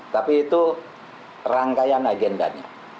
tapi itu rangkaian agendanya